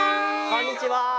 こんにちは！